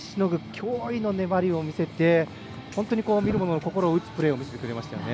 脅威の粘りを見せて本当に心を打つプレーを見せてくれましたね。